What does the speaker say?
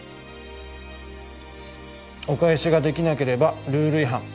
お返しができなければルール違反。